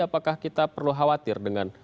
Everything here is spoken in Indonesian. apakah kita perlu khawatir dengan